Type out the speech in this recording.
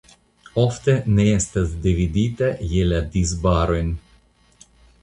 Ofte ne estas dividita je la disbarojn.